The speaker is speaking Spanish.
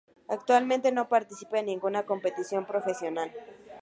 Actualmente no participa en ninguna competición profesional.